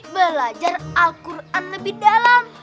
belajar al quran lebih dalam